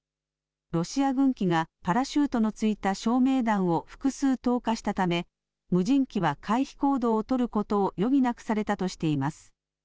ロシア軍機がパラシュートのついた照明弾を複数投下したため、無人機は回避行動を取ることを余儀なくされたとしています。